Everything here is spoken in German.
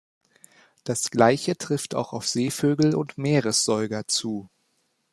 Das gleiche trifft auch auf Seevögel und Meeressäuger zu.